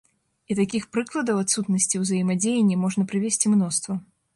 І такіх прыкладаў адсутнасці ўзаемадзеяння можна прывесці мноства.